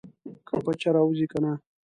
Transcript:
که پچه راوځي کنه.